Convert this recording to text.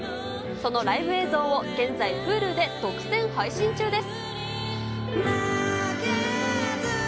そのライブ映像を現在、Ｈｕｌｕで独占配信中です。